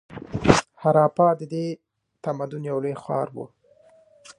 هراپا د دې تمدن یو لوی ښار و.